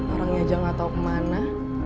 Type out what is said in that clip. orangnya aja gak tau kemana